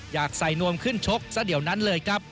อยากใส่นวมขึ้นชกซะเดี๋ยวนั้นเลยครับ